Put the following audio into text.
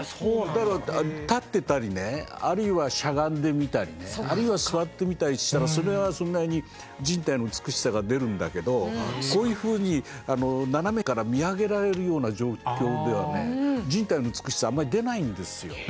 だから立ってたりねあるいはしゃがんでみたりねあるいは座ってみたりしたらそれはそれなりに人体の美しさが出るんだけどそういうふうに斜めから見上げられるような状況ではね人体の美しさはあまり出ないんですよ。